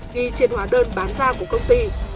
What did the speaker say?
ghi trên hóa đơn bán ra của công ty